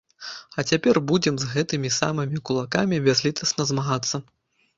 А цяпер будзем з гэтымі самымі кулакамі бязлітасна змагацца.